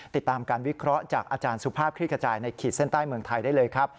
ติดตามการวิเคราะห์จากอาจารย์สุภาพคลิกกระจายในขีดเส้นใต้เมืองไทยได้เลยครับ